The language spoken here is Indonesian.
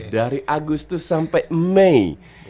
dari agustus sampai mei